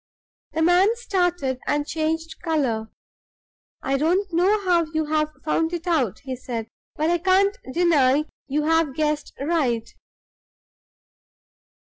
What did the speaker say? The man started and changed color. "I don't know how you have found it out," he said; "but I can't deny you have guessed right."